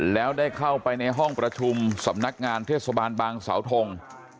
แล้วได้เข้าไปในห้องประชุมสำนักงานเทศบาลบางสาวทง